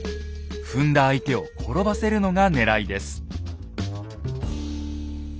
踏んだ相手を転ばせるのがねらいです。